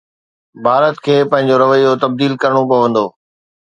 ڀارت کي پنهنجو رويو تبديل ڪرڻو پوندو.